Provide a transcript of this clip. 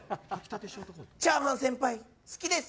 チャーハン先輩、好きです。